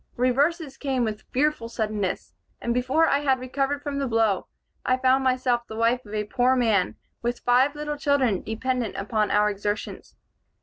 Reverses came with fearful suddenness, and before I had recovered from the blow, I found myself the wife of a poor man, with five little children dependent upon our exertions.